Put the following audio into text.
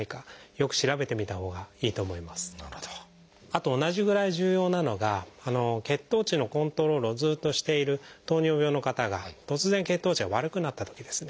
あと同じぐらい重要なのが血糖値のコントロールをずっとしている糖尿病の方が突然血糖値が悪くなったときですね。